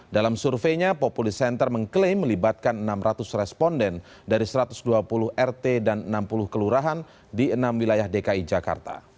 dalam surveinya populi center mengklaim melibatkan enam ratus responden dari satu ratus dua puluh rt dan enam puluh kelurahan di enam wilayah dki jakarta